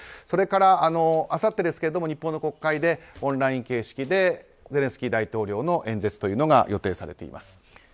それからあさって日本の国会でオンライン形式でゼレンスキー大統領の演説が予定されています。